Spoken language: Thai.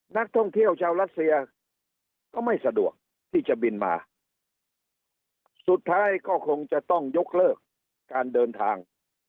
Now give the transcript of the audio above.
นักท่องเที่ยวชาวรัสเซียก็ไม่สะดวกที่จะบินมาสุดท้ายก็คงจะต้องยกเลิกการเดินทาง